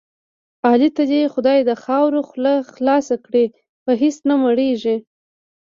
علي ته دې خدای د خاورو خوله خاصه کړي په هېڅ نه مړېږي.